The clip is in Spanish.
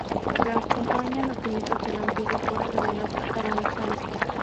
Lo acompañan los cimientos de la antigua Puerta de las Atarazanas.